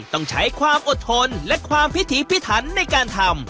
ต้องใช้ความอดทนและความพิถีพิถันในการทำ